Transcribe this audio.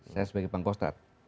saya sebagai panglima